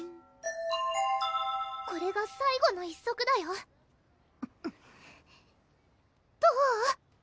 これが最後の１足だよどう？